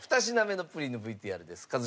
２品目のプリンのＶＴＲです。